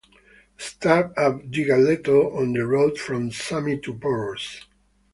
Start at Digaleto, on the road from Sami to Poros.